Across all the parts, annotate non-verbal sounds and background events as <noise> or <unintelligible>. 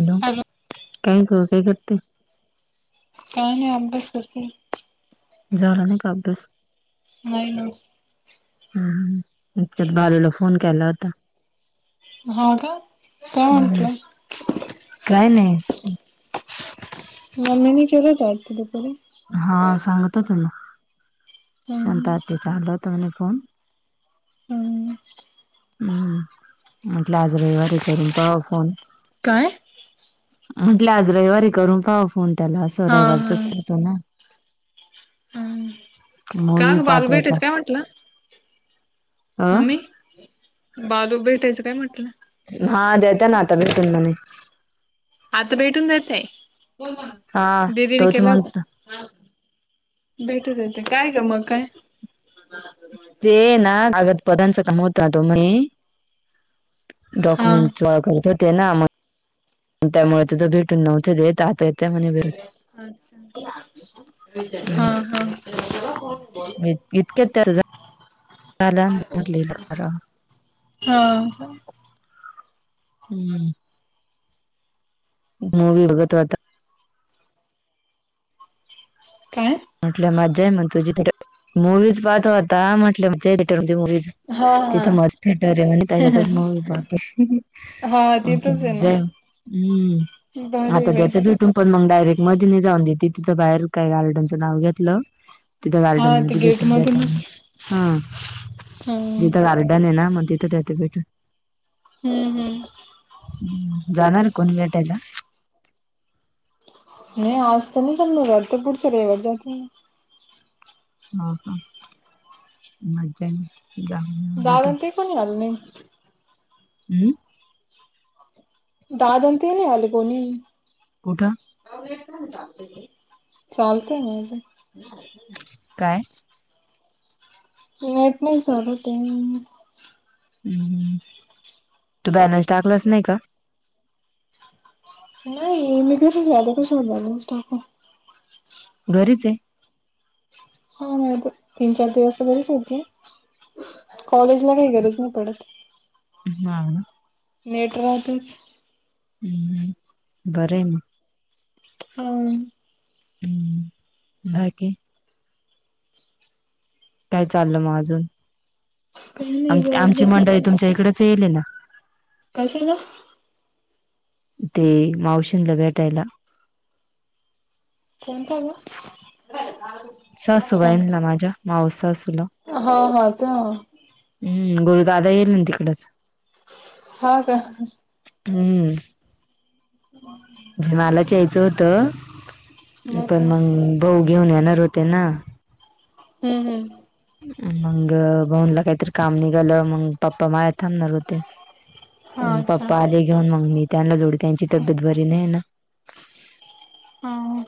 Hello काय ग काय करते काय नाही अभ्यास करतेय झाला नाही का अभ्यास नाही ना ह इतक्यात बालूला फोन केला होता हा का काय हम्म म्हटलं काय नाही मम्मनी केलं होतं वाटत दुपारी हा सांगत होत ना हम्म शांता आतेचा आला होत म्हणे फोन हम्म हम्म म्हंटले आज रविवारी आहे करून पहाव फोन काय म्हटलं आज रविवार आहे करून पाहाव फोन त्याला असं हा हा रविवारच हम्म का मूवी ग बालू पाहत होता भेटायचं काय म्हटलं अ मम्मी बालू भेटायचं काय म्हटलं हा देता ना आता भेटून म्हणे आता भेटून जायेतय हा दिदीने तोच केला म्हणतो होता भेटत येत काय का मग काय ते ना कागत पद <inaudible> का होत <inaudible> हा डॉक्युमेंट व करत होते ना त्यामुळे तेथ भेटून नव्हते देत येते म्हणे भेटून अच्छा हा हम्म हा कीती तास झालं म्हटलं हिला करावं हा हम्म मूवी बघत होता काय म्हटलं मजा आहे मग तुझी मूवीज पाहतो होता म्हटलं थिएटर मध्ये मूवीज हा हा तिथं मस्त थिएटर आहे आणि त्याच्यातच मूवी पाहते हा म्हटलं तिथंच आहे ना जे हम्म बरे आता बाई देत भेटू पण मग डायरेक्ट मध्येने जाऊन देते तिथं बाहेर काही गार्डनचं नाव घेतलं तिथं हा गार्डन ते मध्ये गेट भेटून देतात मधूनच हा हम्म. तिथं गार्डन आहे ना मग तिथ देतात भेटून हम्म हम् ह् जाणार कोण भेटायला नाही आजत नाही चालो <inaudible> पुढच्या रविवर जातो ह ह मज्जा आहे जा दादान ते का आलं नाही हम्म दाद ते नाही आले कोणी कठं चालतय म काय एट मल सन होतय <inaudible> हम् तू बॅलन्स टाकलास नाही का नाही मी घरीच आहे आता कशाला बॅलन्स टाकू घरीच आहे हा नाही तर तीन चार दिवस घरीच होती कॉलेज ला काही गरज नाही पडत हा नेट राहतच हम्म बरं मग ह. हम्म जागे. काय चाललं मग अजून? काही नाही आम ग आमची अभ्यासच मंडळी तुमच्या इकडेच यायले ना. कशे ला? ते मावशीनला भेटायला कोणतं ओ? सासुबाईनला माझ्या मावस सासूला हा हा त्या हम्म गुरुदादा येईल ना तिकडच हा का? हम्म. ह <inaudible> मलाच यायचं होत, मग का पण मग भाऊ घेऊन येणार होते ना. हुं हुं. मग भाऊनला काहीतरी काम निघालं, मग पप्पा बाहेर थांबणार होते. म अच्छा पप्पा आले घेऊन, मग मी त्यांना जोडी त्यांची तब्येत बरी नाही ना. हा हा.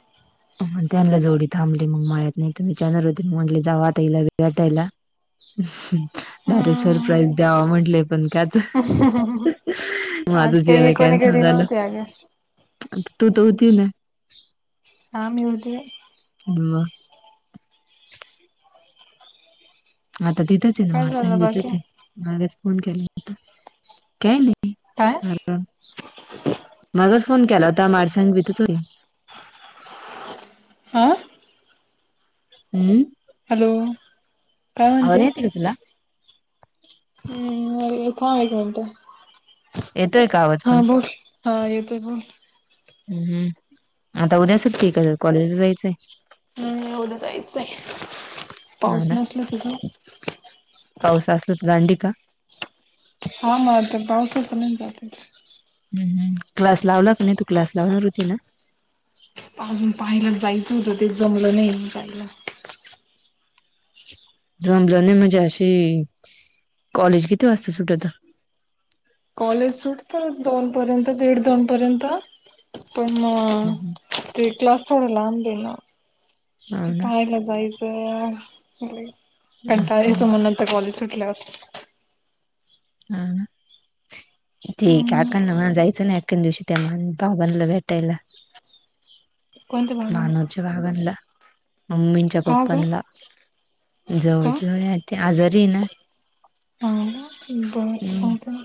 त्यांनला जोडी थांबली मग मळ्यात नाही त विचनणार होते, मग म्हटले जावा आता हीला भेटायला अच्छम <unintelligible> धारे सरप्राईज हम्म द्याव म्हंटले पण का तर? मग माझं आज काही जेवाय कोणी कॅन्सल घरी झालं, नव्हते अगं पण तू तर होती ना. हा मी होते. दिवा आता तिथच हाय ना, काय झालं मडसांग तिथच बाकी हाय मागच फोन केलाता काय नाही? काय मगच फोन केला होता माडसांग इथच होते. हं. हम्म. हॅलो काय म्हनते? आवाज येते का तुला हम् एक हा एक मिनट येतोय का आवाज हा पण बोल. हा येतय बोल. हम्म आता उद्या सुट्टी का कॉलेजला जायचंय? हम् उद्या जायचंय हा पाऊस ना नसला तर जायचं. पाऊस असला तर दांडी का? हा व ना ते पावसच नाही जाता येत. ह क्लास लावला का नाही? तू क्लास लावणार होती ना. आजून पाहायला जायचं होतं, ते जमलं नाही जायला. जमलं नाही म्हणजे अशी कॉलेज किती वाजता सुटत? कॉलेज सूटत दोन पर्यंत दीड दोन पर्यंत पण हो अ ते क्लास थोडा लांब हे ना ते ना पाहायला जायच. तर हो कंटाळा येतो म नंतर कॉलेज सुटल्यावर हाव ना ठीक हाय, हम्म अका ना मला जायचं नाही. तीन दिवशी त्या महान बाबांना भेटायला. कोणत्या भागाला मानूर च्या बाबानला मम्मी च्या त्या का ग पप्पानला का जवळच्या हाय ते आजारी हाय ना. थांबा बघून सांगतो ना.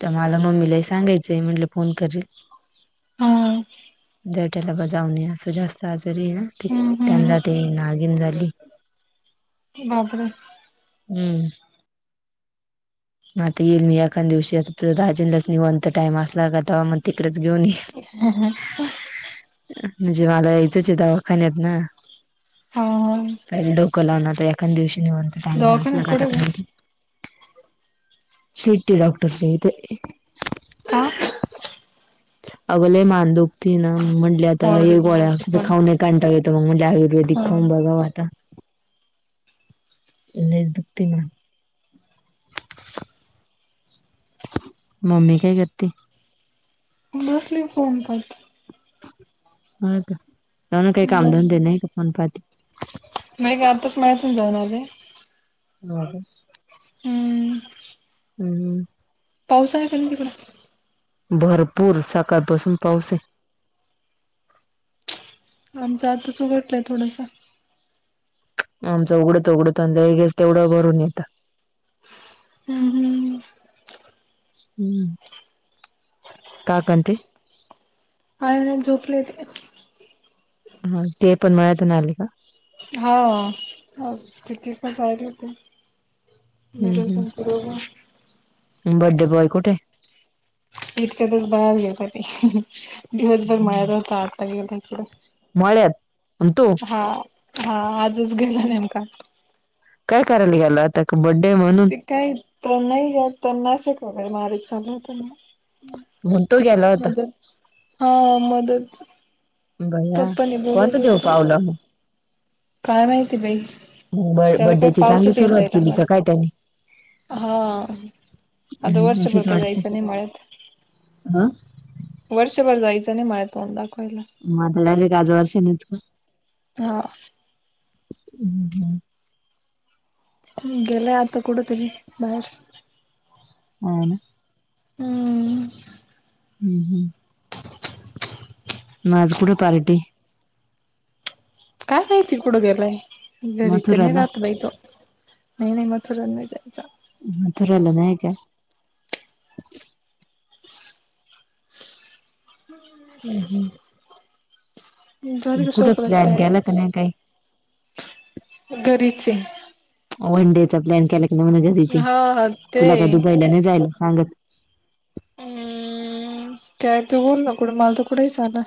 त्या मला मम्मीला ही सांगायचंय म्हंटलं फोन करील. हां. जेटला ग जाऊन असं जास्त आजारी आहे ना, हम्म हम्म त्यांना ती नागीण झाली. बापरे! हम्म. म आता येईल मी एखाद दिवशी, आ राजनलाच निवांत टाइम असला का? तवा मग तिकडेच घेऊन <inaudible> म्हणजे मला यायचंच दवाखान्यात ना हा हा प डोक कॉल लावल तर एखादया दिवशी निेवात टाइम असला दवाखान्यात कुठे ग शेट्टी डॉक्टर च्या इते का अग लई मान दुखती ना म्हटले आता अरे हे गोळ्या माझी पण खाऊन कंटाळा येतो मग म्हणज आुर्वेदिक हा खाऊन बघाव आता लईच दुखती मान. मम्मी काय करतीये. बसली फोन पाहत. हो का म्हणा काम धंदा नाही काय फोन पाहती. नाही गं आताच मळयांतून जाऊन आली. हो हम्म हम्म हम्म पाऊस आहे काय तिकड भरपूर सकाळपासून पाऊस ये. आमचा आताच उघटला आहे थोडंसा आमचं उघडत उघडंत लगेच तेवढं भरून येतं. हम् हम् हम्म काका अन ते आहे झोपलेत ते.. हा ते पण मळयांतून आले का? हाव आज ते पण जाईल होते. हम्म निरोजन बरोबर हम् बडडे बॉय कुठे? इतक्यातच बाहेर गेल ते दिवसभर मळ्यात होता आता गेला इकड मळ्यात आणी तो. हा हा आजच गेला नेमका. काय करायला गेला होता बडडे आहे म्हणून. काही तर नाही घ त्यांना असं वैगरे मारायची चालवताना म्हणतो गेला होता मदत हा मदत बया पप्पानी कोणतं बोलवलं देव होतं. पावलं मग. काय माहिती बाई मग त्याला काय बड्डेची चांगली पाऊसात सुरुवात हिंडायला. केली का काय हा आता त्याने वर्ष भर अशीच काय वाटते जायच नाही मळ्यात ह वर्षभर जायचं नाही मळ्यात तोंड दाखवायला. मग आता डायरेक्ट आज वर्षानीच का. ह हम्म हम्म ह् गेलाय आता कुडे तरी बाहेर हो ना हम हम्म हम् मग आज कुड पार्टी. काय माहिती कुड गेलाय घरी तर नाही मथुराला राहात बाइ तो. नाही नाही मथुरा ला नाही जायचा. मथुराला नाय का. <inaudible> ह झाली का कुठं स्वयपाका ची प्लॅन तयरी केला का नाही काही घरीचे वन डेचा प्लॅन केला की नाही म्हण घरीचे हा हा ते तुला का दुबईला नाही जायला सांगत. हम्म काय तू बोल ना कुठं मला तर कुठेही चालेल.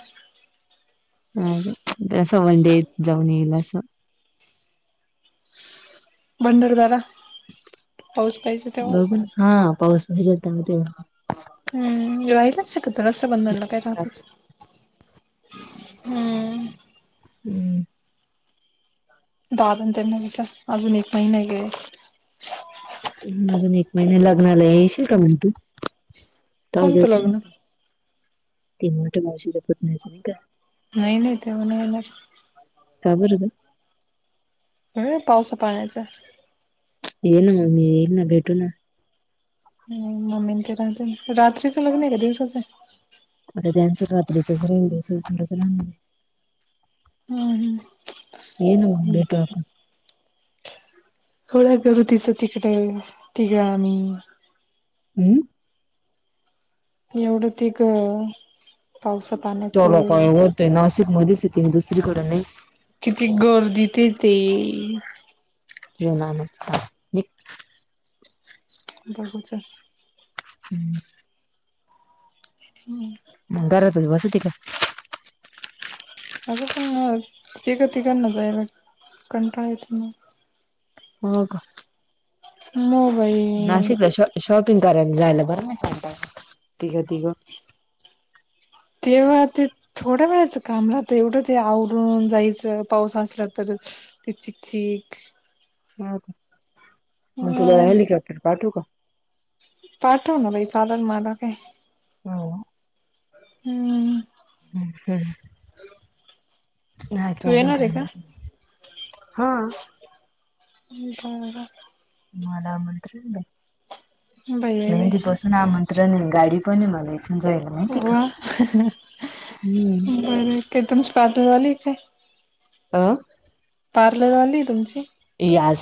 अस वन डे जाऊन येईल अस भंडारदरा पाऊस पाहिजे तेव्हा बघ हा पाऊस <unintelligible> हम् राहिलच शकत रक्षाबंधनला काय <unintelligible> हम्म हम्म. दादन त्यांना <unintelligible> अजून एक महिना गेले हम्म अजून एक महिना लग्नाला हाय येशील का म तू? कोणतं लग्न <unintelligible> नाही नाही तेव्हा नाही होणार काय बोलत काय नाय पावसा पाण्याचं येईल मग मी येई ना भेटू ना. हम्म <unintelligible> रात्रीचं लग्न आहे का दिवसाचं? आता त्याचं रात्रीच <unintelligible> हा हा. ये ना भेटूया आपण. <unintelligible> तिकिटावर तिघ आम्ही हम्म. एवढंच एक अह तेला काय होतय नाशिक मध्येच येते मी दुसरीकडे नाही किती गर्दी तिथे. <unintelligible> बघू चल हम्म. हम्म. घरातच बसती का? अगं पण तिघा तिघांना जायला कंटाळ येतो मग हो का? मग बाई नाशिकला शॉ शॉपिंग करायला जायला बरं नाय कंटाळा तिघं तिघं <unintelligible> थोड्या वेळाच काम रहात एवढं ते आवरून जायचं पाऊस असला तर ते चिकचिक अ म तुला हेलिकॉप्टर पाठवू का? पाठव ना बाई चालल माला काय हो. हम्म. <unintelligible> नाय तू काय अजून येणार काय आहे का म्हणती हा. <unintelligible> आता मला आमंत्रण नाही बाई बाई बाई मेहंदीपासून आमंत्रण गाडी पण आहे मला एक जायला मला हो हम्म बरं काय तुमची पातळीवाली इथे अह पार्लरवाली आहे तुमची? येस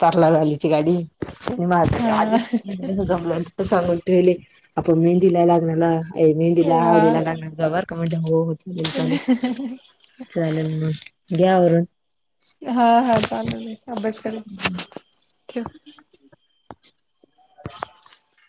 पार्लरवाडीची गाडी माझ हा <inaudible> आधीच जमलं सांगून ठेवली आपण मेहंदीला लावायला मेंदीला वा हळदीला लागणार जवर काय म्हणता हो हो चालेल चालेल चालेल मग घ्या आवरून हा हा चालेल अभ्यास कर ठेव <inaudible>